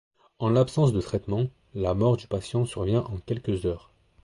En l'absence de traitement, la mort du patient survient en quelques heures.